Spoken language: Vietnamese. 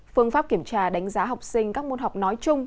phương pháp kiểm tra đánh giá học sinh các môn học nói chung